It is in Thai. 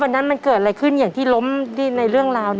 วันนั้นมันเกิดอะไรขึ้นอย่างที่ล้มในเรื่องราว